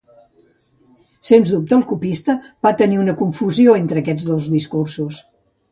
Sens dubte el copista va tenir una confusió entre aquests dos discursos.